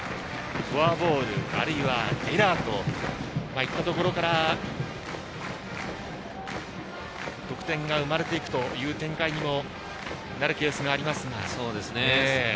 フォアボール、あるいはエラーといったところから得点が生まれていく展開にもなるケースがありますが。